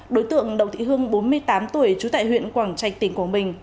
đối tượng đậu thị hương bốn mươi tám tuổi trú tại huyện quảng trạch tỉnh quảng bình